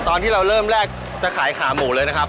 ตอนที่เราเริ่มแรกจะขายขาหมูเลยนะครับ